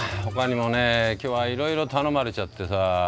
ほかにもね今日はいろいろ頼まれちゃってさ。